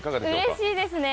うれしいですね。